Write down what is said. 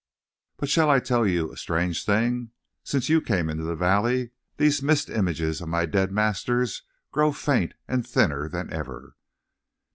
"But shall I tell you a strange thing? Since you came into the valley, these mist images of my dead masters grow faint and thinner than ever."